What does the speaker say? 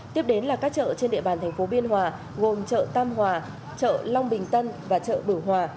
tiếp đến là các chợ trên địa bàn thành phố biên hòa gồm chợ tam hòa chợ long bình tân và chợ bửu hòa